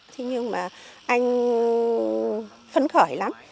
thế nhưng mà anh phấn khởi lắm